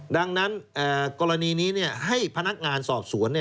ดังนั้นกรณีนี้ให้พนักงานสอบสวน